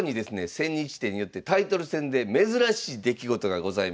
千日手によってタイトル戦で珍しい出来事がございました。